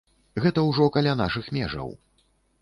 Гэта ўжо каля нашых межаў.